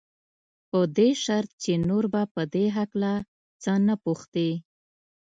په دې شرط چې نور به په دې هکله څه نه پوښتې.